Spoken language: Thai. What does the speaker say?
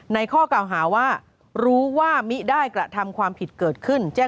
ข้อเก่าหาว่ารู้ว่ามิได้กระทำความผิดเกิดขึ้นแจ้ง